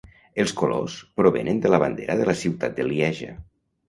Els colors provenen de la bandera de la ciutat de Lieja.